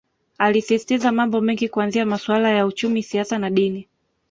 Alisisitiza mambo mengi kuanzia masuala ya uchumi siasa na dini